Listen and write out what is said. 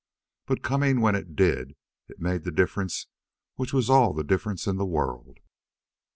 But coming when it did, it made the difference which was all the difference in the world.